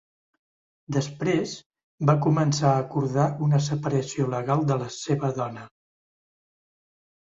Després, va començar a acordar una separació legal de la seva dona.